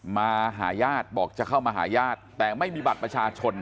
มาหาญาติบอกจะเข้ามาหาญาติแต่ไม่มีบัตรประชาชน